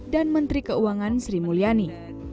dan menteri keuangan sri mulyani